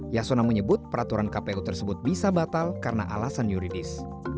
yasona menyebut peraturan kpu tersebut bisa batal karena alasan yuridis